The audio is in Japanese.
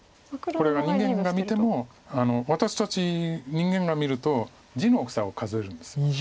これが人間が見ても私たち人間が見ると地の大きさを数えるんです。